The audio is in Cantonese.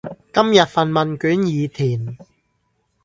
今日份問卷已填